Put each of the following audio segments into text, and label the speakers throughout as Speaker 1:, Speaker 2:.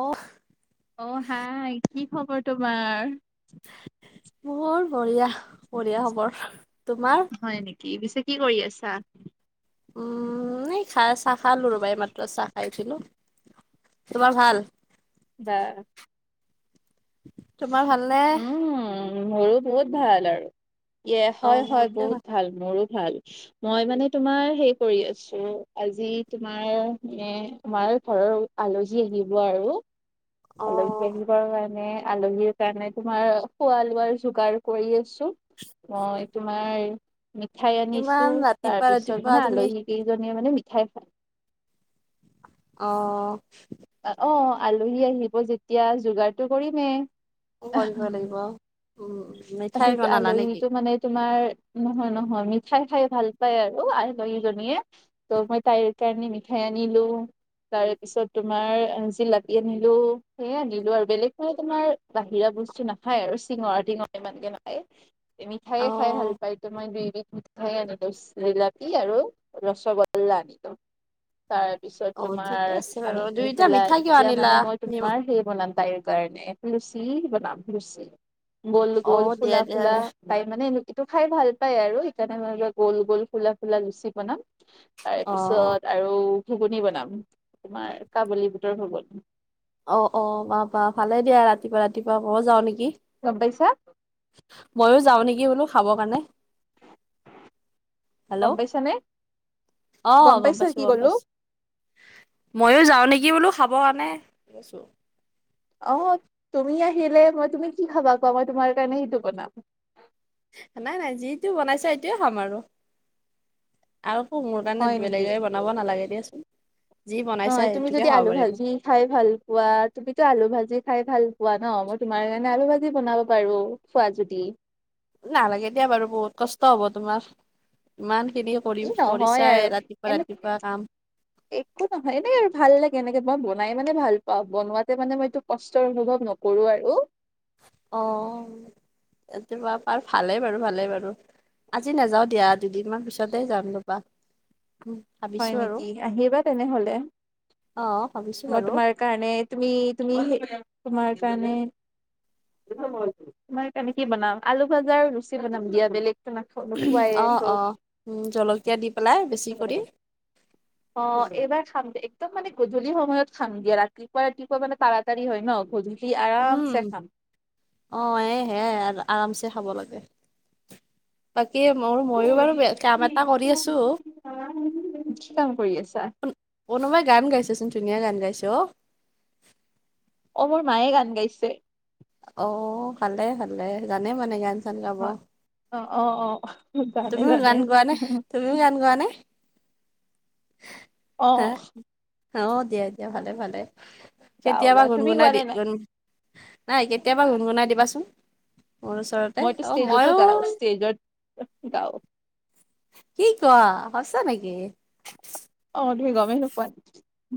Speaker 1: অ'হ।
Speaker 2: অ' হাই কি খবৰ তোমাৰ?
Speaker 1: মোৰ বঢ়িয়া, বঢ়িয়া খবৰ। তোমাৰ?
Speaker 2: হয় নেকি। পিছে কি কৰি আছা?
Speaker 1: উম' এই খা চাহ খালোঁ ৰবা, এই মাত্ৰ চাহ খাই উঠিলোঁ। তোমাৰ ভাল?
Speaker 2: ভাল।
Speaker 1: তোমাৰ ভালনে?
Speaker 2: উম' মোৰো বহুত ভাল আৰু, ইয়ে হয়
Speaker 1: অ',
Speaker 2: হয়
Speaker 1: বহুতে
Speaker 2: বহুত ভাল, মোৰো ভাল। মই মানে তোমাৰ সেই কৰি আছোঁ, আজি তোমাৰ নে তোমাৰ ঘৰৰ আলহী আহিব আৰু। আলহী
Speaker 1: অ',
Speaker 2: আহিবৰ কাৰণে, আলহীৰ কাৰণে তোমাৰ খোৱা লোৱাৰ যোগাৰ কৰি আছোঁ। মই তোমাৰ মিঠাই
Speaker 1: ইমান
Speaker 2: আনিছোঁ, তাৰ
Speaker 1: ৰাতিপুৱা
Speaker 2: পিছত
Speaker 1: ৰাতিপুৱা
Speaker 2: মানে
Speaker 1: তুমি
Speaker 2: আলহী কেইজন আলহীয়ে মানে মিঠাই খায়।
Speaker 1: অ'হ।
Speaker 2: এ অ' আলহী আহিব যেতিয়া যোগাৰটো কৰিমে।
Speaker 1: কৰিব লাগিব। উম' উম'। মিঠাই
Speaker 2: সেইটো,
Speaker 1: বনালা নেকি?
Speaker 2: আলহীটো মানে তোমাৰ নহয় নহয়, মিঠাই খাই ভাল পায় আৰু আলহীজনীয়ে। ত মই তাইৰ কাৰণে মিঠাই আনিলোঁ। তাৰে পিছত তোমাৰ এহ জিলাপি আনিলোঁ, সেইয়ে আনিলোঁ আৰু বেলেগ নাই তোমাৰ বাহিৰা বস্তু নাখায় আৰু চিঙৰা-টিঙৰা ইমানকে নাখাই, মিঠায়ে খাই ভাল
Speaker 1: অ',
Speaker 2: পায় তো মই দুইবিধ মিঠাই দৈ আনিলোঁ, জিলাপি আৰু ৰসগোল্লা আনিলোঁ। তাৰপিছত
Speaker 1: অ', ঠিকে
Speaker 2: তোমাৰ
Speaker 1: আছে বাৰু
Speaker 2: হি
Speaker 1: দুইটা
Speaker 2: খেলা
Speaker 1: মিঠাই কিয়
Speaker 2: এতিয়া
Speaker 1: আনিলা?
Speaker 2: মানে মই
Speaker 1: নিম
Speaker 2: তোমাৰ সেই বনাম তাই কাৰণে লুচি বনাম, লুচি গৌল গৌল
Speaker 1: অ', দিয়া
Speaker 2: ফুুলা
Speaker 1: দিয়া
Speaker 2: ফুুলা।
Speaker 1: দিয়া।
Speaker 2: তাই মানে এনো এইটো খাই ভাল পাই আৰু সেইকাৰণে মইয়ে গ'ল গ'ল ফুলা ফুলা লুচি বনাম। তাৰে
Speaker 1: অ'।
Speaker 2: পিছত আৰু ঘুগুনী বনাম, তোমাৰ কাবুলী বুটৰ ঘুগুনী।
Speaker 1: অ' অ' বাহ-বাহ ভালে দিয়া ৰাতিপুৱা ৰাতিপুৱা, মইয়ো যাওঁ নেকি।
Speaker 2: গম পাইছা?
Speaker 1: মইয়ো যাওঁ নেকি বোলোঁ খাবৰ কাৰণে। হেল্ল,
Speaker 2: গম পাইছা নে
Speaker 1: অ'হ গম
Speaker 2: পাইছা
Speaker 1: পাইছোঁ,
Speaker 2: কি
Speaker 1: গম
Speaker 2: ক'লো
Speaker 1: পাইছোঁ। মইয়ো যাওঁ নেকি বোলোঁ খাবৰ কাৰণে।
Speaker 2: অ' তুমি আহিলে মই তুমি কি খাবা কোৱা, মই তোমাৰ কাৰণে সেইটো বনাম।
Speaker 1: নাই নাই যিটো বনাইছা, এইটোয়ে খাম আৰু। আৰু একো মোৰ কাৰণে
Speaker 2: হয় নেকি?
Speaker 1: বেলেগে বনাব নালাগে দিয়াচোন, যি বনাইছা
Speaker 2: নহয় তুমি যদি
Speaker 1: সেইটোকে
Speaker 2: আলু
Speaker 1: খাব পাৰিম।
Speaker 2: ভাজি খাই ভাল পোৱা, তুমিতো আলু ভাজি খাই ভাল পোৱা ন, মই তোমাৰ কাৰণে আলু ভাজি বনাব পাৰোঁ। খোৱা যদি।
Speaker 1: নালাগে দিয়া বাৰু বহুত কষ্ট হ'ব তোমাৰ, ইমানখিনি
Speaker 2: এই
Speaker 1: কৰিম
Speaker 2: নহয় আৰু
Speaker 1: কৰিছাইয়ে ৰাতিপুৱা
Speaker 2: এনে
Speaker 1: ৰাতিপুৱা কাম।
Speaker 2: একো নহয় এনেই আৰু ভাল লাগে, এনেকে মই বনাই মানে ভাল পাওঁ। বনোৱাতে মানে মইতো কষ্টৰ অনুভৱ নকৰোঁ আৰু।
Speaker 1: অ'। [unintelligible] টোপা পাৰ ভালেই বাৰু ভালেই বাৰু। আজি নাযাওঁ দিয়া দুদিনমান পিছতে যাম ৰবা।
Speaker 2: হয়
Speaker 1: ভাবিছো আৰু
Speaker 2: নেকি, আহিবা তেনে হ'লে
Speaker 1: অ ভাবিছো
Speaker 2: মই
Speaker 1: বাৰু
Speaker 2: তোমাৰ- কাৰণে তুমি তুমি তোমাৰ কাৰণে- তোমাৰ কাৰণে কি বনাম, আলু ভাজা আৰু লুচি বনাম দিয়া। বেলেগ-
Speaker 1: অ
Speaker 2: নাখ-নোখোৱায়ে
Speaker 1: অ উম জলকীয়া দি পেলাই বেছি কৰি
Speaker 2: [unintelligible] অঁঊ এইবাৰ খাম দে, একদম মানে গধূলি সময়ত খাম দিয়া ৰাতি- ৰাতিপুৱা ৰাতিপুৱা মানে তাৰা-তাৰী হয় ন' গধূলি আৰাম চে খাম।
Speaker 1: অঁ' এ সেয়াই, আৰামছে খাব লাগে। বাকী মোৰ মইয়ো বাৰু কাম এটা কৰি আছোঁ।
Speaker 2: তুমি কি কাম কৰি আছা?
Speaker 1: কোনোবাই গান গাইছেচোন ধুনীয়া গান গাইছে অঁ'।
Speaker 2: অঁ' মোৰ মায়ে গান গাইছে।
Speaker 1: অঁ' ভালে ভালে, জানে মানে গান চান গাব।
Speaker 2: অঁ' অঁ' অঁ' অঁ'।
Speaker 1: তুমিও গান গোৱা নে, তুমিও গান গোৱা নে
Speaker 2: অ
Speaker 1: হা? অঁ' দিয়া দিয়া ভালে ভালে,
Speaker 2: গাও
Speaker 1: কেতিয়াবা
Speaker 2: গাও তুমি
Speaker 1: গুণগুণাই
Speaker 2: গোৱা
Speaker 1: দি
Speaker 2: নে নাই?
Speaker 1: গুণ নাই কেতিয়াবা গুণগুণাই দিবাচোন। ওচৰতে
Speaker 2: মইতো
Speaker 1: অ
Speaker 2: ষ্টেজতো
Speaker 1: ময়ো
Speaker 2: গাও, ষ্টেজত গাও।
Speaker 1: কি কোৱা সঁচা নেকি?
Speaker 2: অঁ' তুমি গমেই নোপোৱা,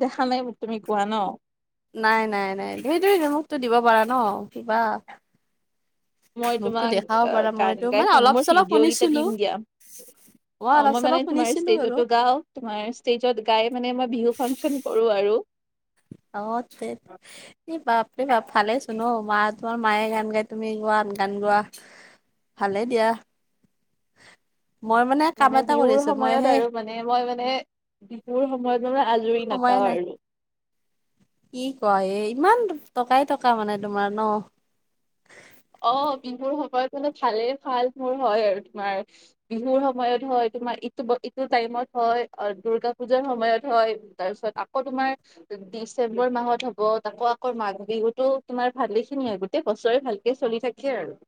Speaker 2: দেখা নাই তুমি গোৱা ন'।
Speaker 1: নাই নাই নাই, সেইটোৱেইটো, মোকটো দিব পাৰা ন' কিবা।
Speaker 2: মই
Speaker 1: মোকতো
Speaker 2: তোমাক
Speaker 1: দেখাব পাৰা
Speaker 2: গান
Speaker 1: মইতো
Speaker 2: গাই
Speaker 1: মানে
Speaker 2: শুনো,
Speaker 1: অলপ
Speaker 2: মোৰ
Speaker 1: চলপ
Speaker 2: ভিডিঅ' কেইটা
Speaker 1: শুনিছিলো
Speaker 2: দিম দিয়া। অঁ'
Speaker 1: অলপ
Speaker 2: মই
Speaker 1: চলপ
Speaker 2: মানে তোমাৰ
Speaker 1: শুনিছিলো আৰু
Speaker 2: ষ্টেজতো গাওঁ। তোমাৰ ষ্টেজত গাই মানে মই বিহু ফাংচন কৰোঁ আৰু।
Speaker 1: অঁ' তে এই বাপ দে না ভালেই চোন ন' মা তোমাৰ মায়ে গান গাই তুমি গোৱা গান গোৱা। ভালে দিয়া। মই কাম
Speaker 2: মানে
Speaker 1: এটা কৰি
Speaker 2: বিহুৰ
Speaker 1: আছো মই
Speaker 2: সময়ত
Speaker 1: সেই
Speaker 2: আৰু মানে মই মানে বিহুৰ সময়ত মই মানে আজৰি
Speaker 1: সময়ে
Speaker 2: নাপাওঁ
Speaker 1: নাই
Speaker 2: আৰু।
Speaker 1: কি কোৱা, এ ইমান টকাই টকা মানে তোমাৰ ন'।
Speaker 2: অঁ' বিহুৰ সময়ত মানে ভালেই ভাল মোৰ হয় আৰু তোমাৰ- বিহুৰ সময়ত হয়, তোমাৰ ইটো ইটো টাইমত হয়, দুৰ্গা পুজাৰ সময়ত হয় তাৰপিছত- আকৌ তোমাৰ- ডিচেম্বৰ মাহত হ'ব, তাকৌ আকৌ মাঘ বিহুতো তোমাৰ ভালে খিনিয়ে গোটেই বছৰে ভাল- চলি থাকে আৰু।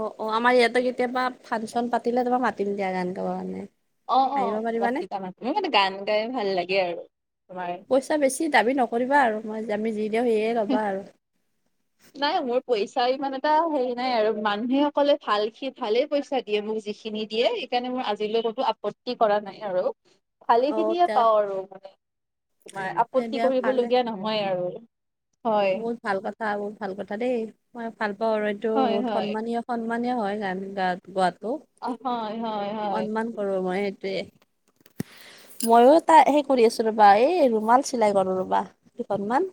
Speaker 1: অঁ' অঁ' আমাৰ ইয়াঁতে কেতিয়াবা ফাংচন পাতিলে তোমাক মাতিম দিয়া গান গাব কাৰণে।
Speaker 2: অঁ'
Speaker 1: আহিব
Speaker 2: অঁ'
Speaker 1: পাৰিবানে
Speaker 2: [unintelligible] মোৰ মানে গান গাই ভাল লাগে আৰু তোমাৰ।
Speaker 1: এ বেছি দাবী নকৰিবা আৰু মই আমি যি দিওঁ সেয়ে ল'বা আৰু।
Speaker 2: নাই মোৰ পইচা ইমান এটা হেৰি নাই আৰু মানুহে অকলে ভাল সি ভালে পইচা- দিয়ে মোক যিখিনি দিয়ে সেইকাৰণে মোৰ আজিলৈ কতো আপত্তি কৰা নাই আৰু। ভালি
Speaker 1: অ
Speaker 2: খিনিয়ে পাওঁ
Speaker 1: তে
Speaker 2: আৰু মানে তোমাৰ আপত্তি
Speaker 1: দিয়া ভালে
Speaker 2: কৰিবলগীয়া নহয় আৰু। হয়
Speaker 1: বহুত ভাল কথা বহুত ভাল কথা দেই। মই ভাল পাওঁ আৰু এইটো
Speaker 2: হয়
Speaker 1: বহুত
Speaker 2: হয়
Speaker 1: সন্মানীয়- সন্মানীয় হয় গান গোৱাটো।
Speaker 2: হয় হয়। হয়
Speaker 1: সন্মান কৰোঁ মই সেইটোৱে। মইয়ো তাই সেই কৰি আছোঁ ৰবা এই ৰুমাল চিলাই কৰোঁ ৰবা দুখনমান।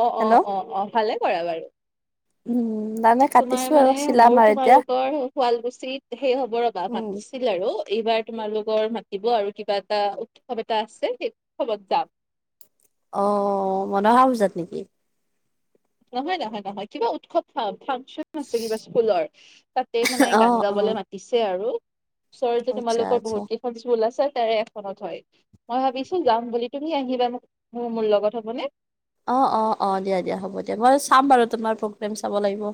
Speaker 2: অ',
Speaker 1: হেল্ল'
Speaker 2: অ', অ', অ', ভালে কৰা বাৰু।
Speaker 1: উম, মানে
Speaker 2: তোমাৰ মানে মোৰ তোমালোকৰ শুৱালকুছিত সেই হ'ব ৰ'বা [unintelligible]
Speaker 1: উম
Speaker 2: আছিল আৰু এইবাৰ তোমালোকৰ মাতিব আৰু কিবা এটা উৎসৱ এটা আছে সেই উৎসৱত যাম।
Speaker 1: অ', মনসা পূজাত নেকি?
Speaker 2: নহয়, নহয়, নহয়, কিবা উৎসৱ ফাং-ফাংচন। আছে কিবা স্কুলৰ। তাতে মানে
Speaker 1: অ
Speaker 2: গান
Speaker 1: অ
Speaker 2: গাবলৈ মাতিছে আৰু। ওচৰ যে
Speaker 1: আচ্ছা
Speaker 2: তোমালোকৰ
Speaker 1: আচ্ছা
Speaker 2: বহুত কেইখন স্কুল আছে, তাৰে এখনত হয়, মই ভাবিছোঁ যাম বুলি। তুমি আহিবা মোক মোৰ লগত হ'ব নে?
Speaker 1: অ', অ', অ', দিয়া, দিয়া হ'ব দিয়া। মই চাম বাৰু তোমাৰ প্ৰগ্ৰেম চাব লাগিব।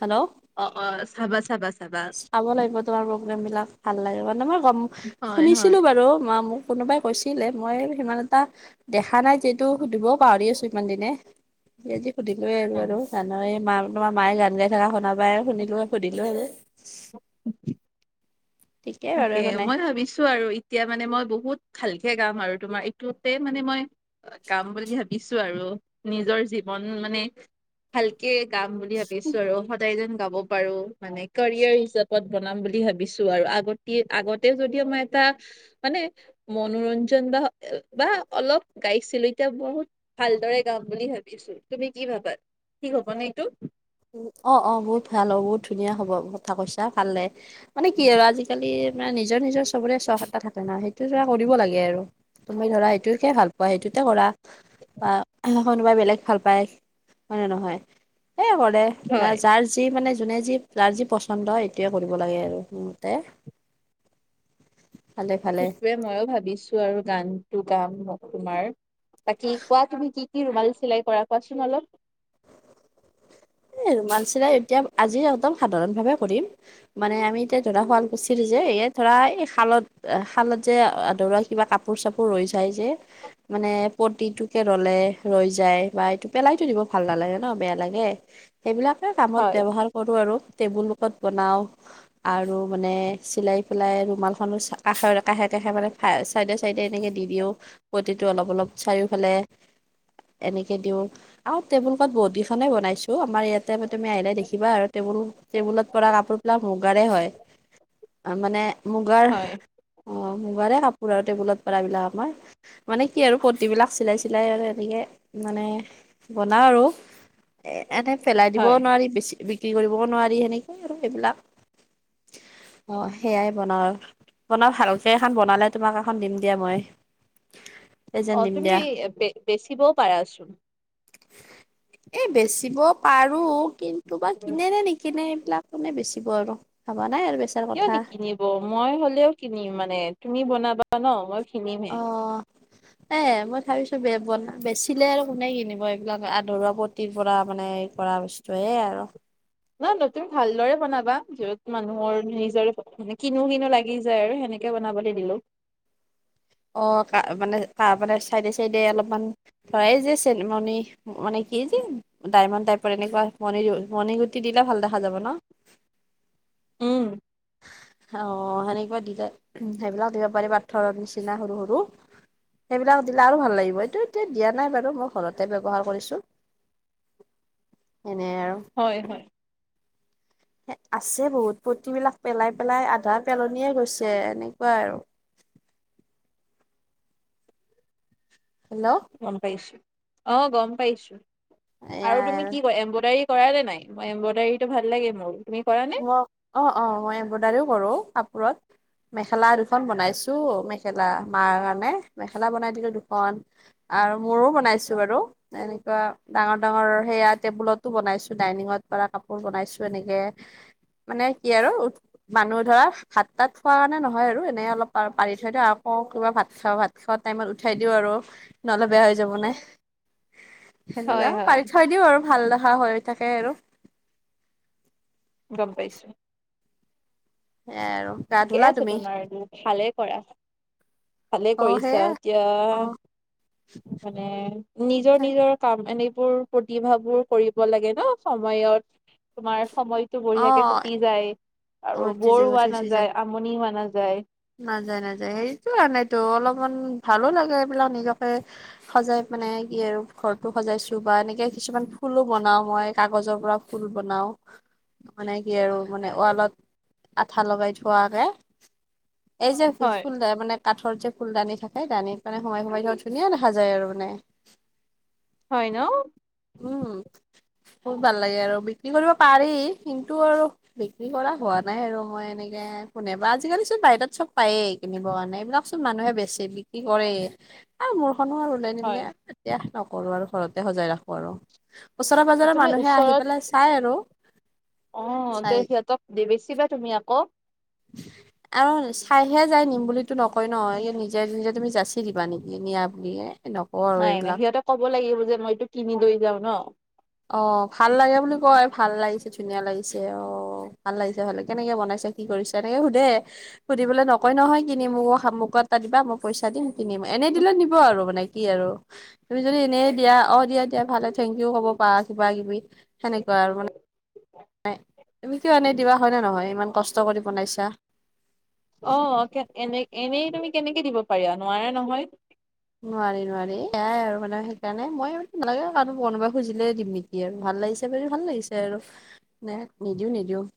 Speaker 1: হেল্ল'!
Speaker 2: অ', অ', চাবা, চাবা।
Speaker 1: চাব লাগিব তোমাৰ প্ৰগ্ৰেমবিলাক ভাল লাগে, মানে মই গম
Speaker 2: হয় হয়
Speaker 1: শুনিছিলোঁ বাৰু মা মোক কোনোবাই কৈছিলে মই সিমান এটা দেখা নাই যিহেতু সুধিবও পাহৰি আছোঁ ইমান দিনে। এ, আজি সুধিলোয়ে আৰু,
Speaker 2: অ।
Speaker 1: আৰু। [unintelligible] এই মা তোমাৰ মায়ে গান গাই থকা শুনা পাই শুনিলোঁ আৰু সুধিলোঁ আৰু।
Speaker 2: [inaudible]
Speaker 1: ঠিকেই বাৰু
Speaker 2: তাকে
Speaker 1: একো নাই
Speaker 2: মই ভাবিছোঁ আৰু এত এতিয়া মানে মই বহুত ভালকে গাম আৰু তোমাৰ এইটোতে মানে মই গাম বুলি ভাব ছো আৰু নিজৰ জীৱন মানে ভালকে গাম বুলি ভাবিছোঁ আৰু সদায় যেন গাব পাৰোঁ। মানে কৰিয়াৰ হিচাপত বনাম বুলি ভাবিছোঁ আৰু আগতি- আগতে যদি মই এটা মানে মনোৰঞ্জন বা -বা অলপ গাইছিলোঁ, এতিয়া বহুত ভালদৰে গাম বুলি ভাবিছোঁ। তুমি কি ভাবা? ঠিক হ'ব নে এইটো?
Speaker 1: উম, অ', অ', বহুত ভাল হ'ব বহুত ধুনীয়া হ'ব কথা কৈছা গালে মানে কি আৰু আজিকালি মানে নিজৰ, নিজৰ চবৰে চখ এটা থাকে, না সেইটো ধৰা কৰিব লাগে আৰু। তুমি ধৰা এইটোকে ভাল পোৱা এইটোতে কৰা। বা কোনোবাই বেলেগ ভাল পায় হয়, নে নহয়? সেই [unintelligible] না,
Speaker 2: হয়
Speaker 1: যাৰ যি মানে যোনে যি যাৰ যি পচন্দ সেইটোৱে কৰিব লাগে আৰু মোৰ মতে। [inaudible] ভালে
Speaker 2: সেইটোৱে ময়ো ভাবিছোঁ আৰু গানটো গাম মই তোমাৰ। বাকী কোৱা তুমি কি, কি ৰুমাল চিলাই কৰা কোৱাচোন অলপ?
Speaker 1: এ, ৰুমাল চিলাই এতিয়া আজি একদম সাধাৰণ ভাৱে কৰিম। মানে আমি এতিয়া ধৰা শুৱালকুছিৰ যে এ, ধৰা এই শালত শালত যে আধৰোৱা কিবা কাপোৰ-চাপোৰ ৰৈ যায় যে। মানে পটিটোকে ৰ'লে ৰৈ যায় বা এইটো পেলাই থৈ দিব ভাল নালাগে ন' বেয়া লাগে। সেইবিলাকে কামত
Speaker 2: হয়
Speaker 1: ব্যৱহাৰ কৰো আৰু টেবুল কাপোৰ বনাওঁ। আৰু মানে চিলাই পেলাই ৰুমালখনো কাষৰে কাষে, কাষে মানে চাইডে, চাইডে এনেকে দি দিওঁ পটিটো অলপ, অলপ চাৰিওফালে। এনেকে দিওঁ আৰু টেবুল কত বহুত কিখনে বনাইছোঁ। আমাৰ ইয়াতে তুমি আহিলে দেখিবা আৰু টেবুল- টেবুলত পৰা কাপোৰ বিলাক মুগাৰে হয়। এ, মানে মুগাৰ
Speaker 2: হয়
Speaker 1: অ', মুগাৰে কাপোৰ আৰু টেবুলত পাৰা বিলাক আমাৰ। মানে কি আৰু পটি বিলাক চিলাই, চিলাই আৰু এনেকে মানে বনাওঁ আৰু। এ, এনে পেলাই দিবও
Speaker 2: হয়
Speaker 1: নোৱাৰি বেছি বিক্ৰী কৰিবও নোৱাৰি সেনেকৈ আৰু এইবিলাক। অ', সেয়াই বনাওঁ বনাও, ভালকে এখন বনালে তোমাক এখন দিম দিয়া মই। প্ৰেজেন্ট
Speaker 2: অ',
Speaker 1: দিম
Speaker 2: তুমি বেচিবও পাৰাচোন?
Speaker 1: এ বেচিব পাৰোঁ, কিন্তু বা কিনে নে নিকি কিনে এইবিলাক মানে বেচিব আৰু? ভাবা নাই আৰু বেচাৰ
Speaker 2: কিয়
Speaker 1: কথা
Speaker 2: নিকিনিব, মই হলেওঁ কিনিম মানে তুমি বনাবা ন, মই
Speaker 1: অ
Speaker 2: কিনিমেই।
Speaker 1: [inaudible] এ মই ভাবিছো বে-বনা বেচিলে আৰু কোনে কিনিব এইবিলাক আধৰুৱা পটিৰ পৰা মানে কৰা বচ [unintelligible] আৰু।
Speaker 2: নহয়, নহয় তুমি ভালদৰে বনাবা, য'ত মানুহৰ নিজৰে মানে কিনো- কিনো লাগি যায় আৰু সেনেক কিয় বনাবলে দিলো।
Speaker 1: অ', কা মানে [unintelligible] চাইডে- চাইডে অলপমান ধৰা এই যে চেলমণি মানে কি যে ডায়মণ্ড টাইপৰ এনেকুৱা মনি [unintelligible] মণিগুটি দিলে ভাল দেখা যাব ন'?
Speaker 2: উম।
Speaker 1: অ, সেনেকুৱা দিলে সেইবিলাক দিব পাৰি পাথৰৰ নিচিনা সৰু সৰু। সেইবিলাক দিলে আৰু ভাল লাগিব এইটো এতিয়া দিয়া নাই বাৰু মই ঘৰতে ব্যৱহাৰ কৰিছোঁ। এনেই আৰু।
Speaker 2: হয়, হয়।
Speaker 1: [unintelligible] আছে বহুত পটী বিলাক পেলাই পেলাই আধা পেলনিয়ে গৈছে এনেকুৱাই আৰু। হেল্লো'
Speaker 2: গম পাইছো, অ গম পাইছো, আৰু
Speaker 1: এয়া
Speaker 2: তুমি কি কৰা এম্বুডাৰী কৰা নে নাই? মই এম্বুডাৰীটো ভাল লাগে মোৰ, তুমি কৰা নে?
Speaker 1: [unintelligible] অ, অ, মই এম্ব্ৰডাৰিও কৰো কাপোৰত। মেখেলা দুখন বনাইছো, মেখেলা মাৰ কাৰণে মেখেলা বনাই দিলো দুখন। আৰু মোৰো বনাইছো বাৰু। এনেকুৱা ডাঙৰ ডাঙৰ সেয়া টেবুলতো বনাইছো ডাইনিঙত পৰা কাপোৰ বনাইছো এনেকে। মানে কি আৰু মানুহ ধৰা ভাত তাত খোৱা কাৰণে নহয় আৰু এনেই অলপ পাৰি থৈ দিয়া আকৌ কিবা ভাত খাওঁ ভাত খোৱা টাইমত উঠাই দিও আৰু নহ'লে বেয়া হৈ যাব নে!
Speaker 2: হয়
Speaker 1: সেনেকুৱা,
Speaker 2: হয়
Speaker 1: পাৰি থৈ দিওঁ আৰু ভাল দেখা হৈ থাকে আৰু।
Speaker 2: গম পাইছো।
Speaker 1: সেয়াই আৰু। গা
Speaker 2: ঠিকে
Speaker 1: ধুলা
Speaker 2: আছে
Speaker 1: তুমি
Speaker 2: তোমাৰ ভালেই কৰা। ভালে
Speaker 1: অ
Speaker 2: কৰিছা,
Speaker 1: সেয়া
Speaker 2: এতিয়া
Speaker 1: অ
Speaker 2: মানে নিজৰ নিজৰ কাম এনেবোৰ প্ৰতিভাবোৰ কৰিব লাগে ন সময়ত। তোমাৰ সময়টো
Speaker 1: অ
Speaker 2: বঢ়িয়াকে কটি যায়
Speaker 1: অ
Speaker 2: আৰু
Speaker 1: তিজে
Speaker 2: ব'ৰ
Speaker 1: গছে
Speaker 2: হোৱাত
Speaker 1: চি যায়
Speaker 2: আমনি হোৱা নাযায়।
Speaker 1: নাযায়, নাযায় সেইটো কাৰণেটো অলপমান ভালো লাগে এইবিলাক নিজাকে সজাই মানে কি আৰু ঘৰতো সজাইছো বা এনেকে কিছুমান ফুলো বনাও মই কাগজৰ পৰা ফুল বনাও, মানে কি আৰু মানে ৱালত আঠা লগাই থোৱাকে। এই যে
Speaker 2: হয়
Speaker 1: [unintelligible] [unintelligible] মানে কাঠৰ যে ফুলদানি থাকে দানিত মানে সোমাই সোমাই দিওঁ, ধুনীয়া দেখা যায় আৰু মানে।
Speaker 2: হয় ন!
Speaker 1: উম, বহুত ভাল লাগে আৰু বিক্ৰী কৰিব পাৰি কিন্তু আৰু বিক্ৰী কৰা হোৱা নাই আৰু মই এনেকে কোনে বা আজিকালি! বাহিৰত চব পায়েই কিনিব কাৰণে এইবিলাক চব মানুহে বেচি বিক্ৰী কৰে আৰু মোৰ খন নো আৰু! নিমে এতিয়া নকৰো আৰু ঘৰতে সজাই ৰাখো আৰু ওচৰে পাজৰে
Speaker 2: তুমি
Speaker 1: মানুহে আহি
Speaker 2: ওচৰত
Speaker 1: পেলাই! চাই আৰু।
Speaker 2: অ তে
Speaker 1: চাই
Speaker 2: সিহঁতক নেৱেচিবা তুমি আকৌ।
Speaker 1: [inaudible] আ চাইহে যায় নিম বুলিতো নকয় ন এই নিজে নিজে তুমি যাচি দিবা নেকি নিয়া বুলি এ।
Speaker 2: নাই নাই সিহঁতে ক'ব লাগিব যে মই এইটো কিনি লৈ যাওঁ ন।
Speaker 1: অ ভাল লাগে বুলি কয় ভাল লাগিছে ধুনীয়া লাগিছে অ। ভাল লাগিছে ভাল লাগিছে কেনেকে বনাইছা কি কৰিছা এনেকে সুধে। সুধিপালে নকয় নহয় কিনি মো মোকো এটা দিবা, মই পইচা দিম কিনিম, এনে দিলে নিব আৰু মানে। কি আৰু তুমি যদি এনেই দিয়া অ দিয়া দিয়া ভালে থেংক ইউ ক'ব। পা কিবা কিবি সেনেকুৱা আৰু মানে। নাই তুমি কিয় এনে দিবা হয়নে, নহয় ইমান কষ্ট কৰি বনাইছা।
Speaker 2: অ এনে এনেই তুমি কেনেকে দিব পাৰিবা, নোৱাৰা নহয়।
Speaker 1: নোৱাৰি নোৱাৰি এয়াই আৰু মানে সেইকাৰণে মই নালাগে কাৰো বনাবা খুজিলেই দিম নেকি! সেয়াই আৰু ভাল লাগিছে যদি ভাল লাগিছে আৰু নে নিদিও নিদিও।